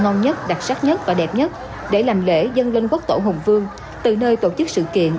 ngon nhất đặc sắc nhất và đẹp nhất để làm lễ dân linh quốc tổ hùng vương từ nơi tổ chức sự kiện